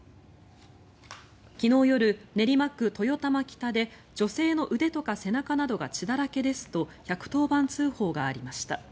昨日夜、練馬区豊玉北で女性の腕とか背中などが血だらけですと１１０番通報がありました。